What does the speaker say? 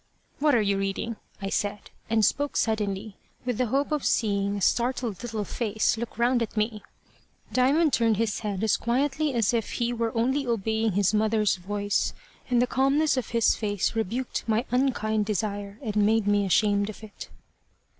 "What are you reading?" I said, and spoke suddenly, with the hope of seeing a startled little face look round at me. Diamond turned his head as quietly as if he were only obeying his mother's voice, and the calmness of his face rebuked my unkind desire and made me ashamed of it.